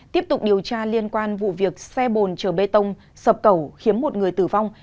tiếp tục điều tra liên quan vụ việc xe bồn trở bê tông sập cẩu khiếm một người tử vong